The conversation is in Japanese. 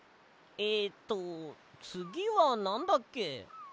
えとつぎはなんだっけ？